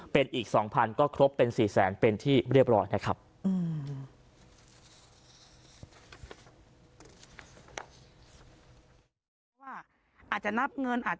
เป็นอีก๒๐๐ก็ครบเป็น๔แสนเป็นที่เรียบร้อยนะครับ